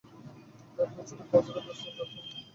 প্যাডম্যান ছবির প্রচারে ব্যস্ত প্যাডগার্ল সোনম কাপুর।